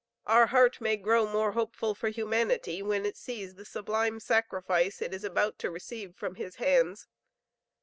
Our heart may grow more hopeful for humanity when it sees the sublime sacrifice it is about to receive from his hands.